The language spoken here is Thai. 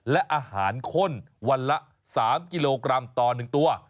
และอาหารข้นวันละ๓กิโลกรัมต่อ๑ตัว